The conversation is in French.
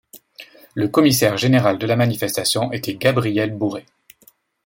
Le commissaire général de la manifestation était Gabriel Bauret.